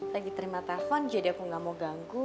lagi terima telepon jadi aku gak mau ganggu